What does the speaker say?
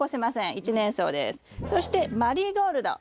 そしてマリーゴールド。